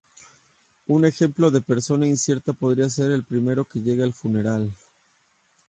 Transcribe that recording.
Un ejemplo de persona incierta podría ser "el primero que llegue al funeral".